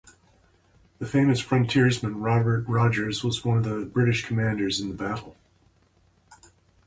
The famous frontiersman Robert Rogers was one of the British commanders in the battle.